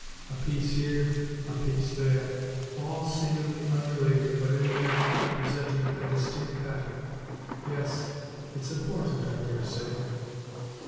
A piece here, a piece there, all seemingly unrelated but in the end presenting a distinct pattern. Yes, it's important, I dare say."